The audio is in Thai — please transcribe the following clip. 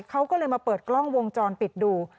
เขาก็เลยมาเปิดกล้องวงจรปิดดู